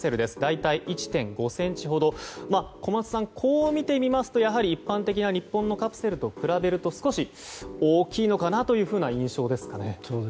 小松さん、こう見てみますと一般的な日本のカプセルと比べると少し大きいのかなという印象ですかね。